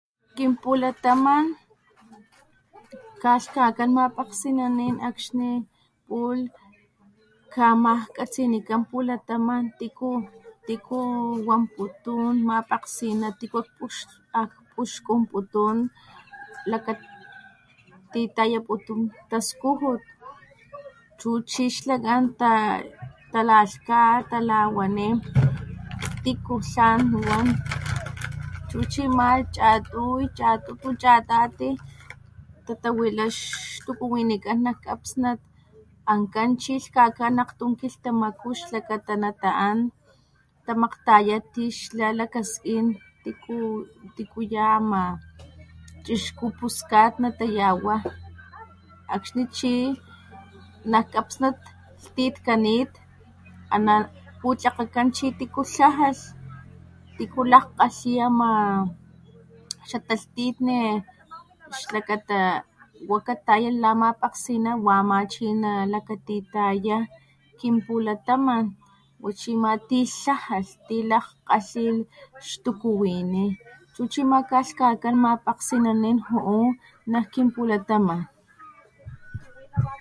Kin pulataman kgalhkakán mapakgsinanin, akgxni pulh kamakgatsinikan, pulataman tikutiku wanputun mapakgsiná tiku akgpuxkunputun lakata ti tayaputun tastujut, cu chi xlakán taralka, tarawaní tiku tlan wan chu chi amá chatutu, chatati, tatawilá ixtukuwinikán nak kapsnat, ankan chi lhkkakán aktum kilhtamaku, lakata na taan titamaktayá ti xlá lakaskn tikú ya chixkú, puskat natayawá, akgxni chi nak kapsnat lhtitkanit, aná putlakakan chi tiku tlajalh, tiku lak kalhi ama xata lhtitni, xlakata wa katayalh la mapakgsiná, wa ma chi nalakattitayá kin pulataman wachi ma ti tlajalh, ti lak kgalhi ixtukuwiní chu chi ma kgalkhakan, mapakgsinanin juu nak kinpultaman.